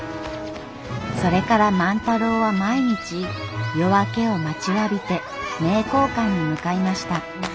それから万太郎は毎日夜明けを待ちわびて名教館に向かいました。